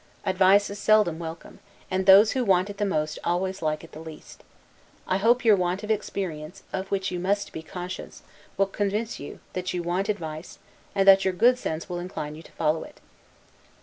Advice is seldom welcome; and those who want it the most always like it the least. I hope that your want of experience, of which you must be conscious, will convince you, that you want advice; and that your good sense will incline you to follow it.